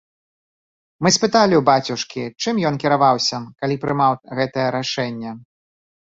Мы спыталі ў бацюшкі, чым ён кіраваўся, калі прымаў гэтае рашэнне.